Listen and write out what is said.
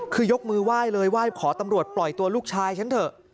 คือยกมือไหว้เลยไหว้ขอตำรวจปล่อยตัวลูกชายฉันเถอะ